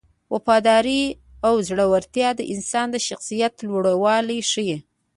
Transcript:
وفاداري او زړورتیا د انسان د شخصیت لوړوالی ښيي.